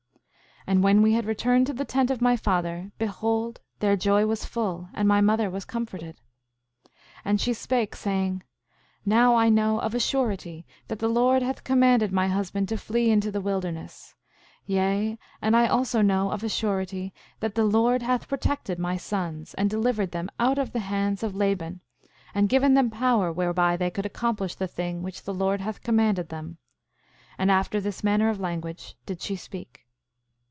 5:7 And when we had returned to the tent of my father, behold their joy was full, and my mother was comforted. 5:8 And she spake, saying: Now I know of a surety that the Lord hath commanded my husband to flee into the wilderness; yea, and I also know of a surety that the Lord hath protected my sons, and delivered them out of the hands of Laban, and given them power whereby they could accomplish the thing which the Lord hath commanded them. And after this manner of language did she speak.